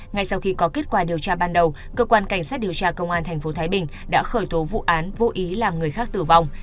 ngay sau khi có kết quả điều tra ban đầu cơ quan cảnh sát điều tra công an tp thái bình đã khởi tố vụ án vô ý làm người khác tử vong